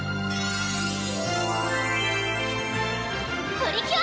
プリキュア！